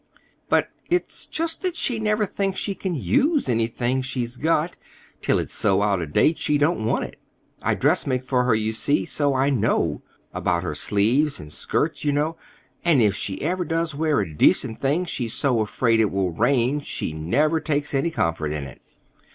But it's just that she never thinks she can use anything she's got till it's so out of date she don't want it. I dressmake for her, you see, so I know—about her sleeves and skirts, you know. And if she ever does wear a decent thing she's so afraid it will rain she never takes any comfort in it!"